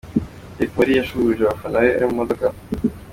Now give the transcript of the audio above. Jay Polly yashuhuje abafana be ari mu modoka.